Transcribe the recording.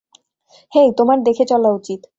হেই, তোমার দেখে চলা উচিৎ।